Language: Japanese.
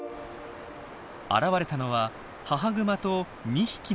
現れたのは母グマと２匹の子ども。